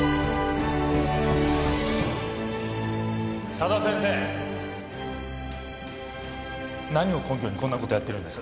佐田先生何を根拠にこんなことやってるんです？